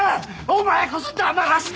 お前こそ黙らせたる！